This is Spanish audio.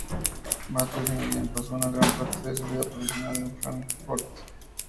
Matthäus Merian pasó una gran parte de su vida profesional en Fráncfort.